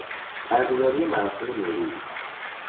برگزاری مراسم نوروز